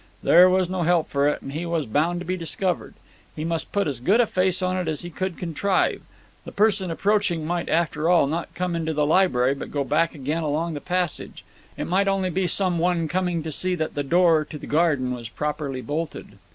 There was no help for it, and he was bound to be discovered; he must put as good a face on it as he could contrive. The person approaching might, after all, not come into the library, but go back again along the passage. It might only be some one coming to see that the door to the garden was properly bolted.